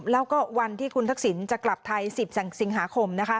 แล้วก็วันที่คุณทักษิณจะกลับไทย๑๐สิงหาคม